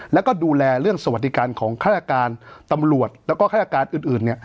แล้วก็ดูแลเรื่องสวัสดิการของฆาตการตำรวจแล้วก็ฆาตการอื่น